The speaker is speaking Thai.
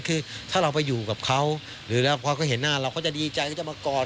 คือถ้าเราไปอยู่กับเขาหรือแล้วพอเขาเห็นหน้าเราก็จะดีใจเขาจะมากอด